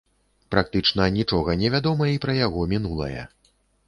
Практычна нічога не вядома і пра яго мінулае.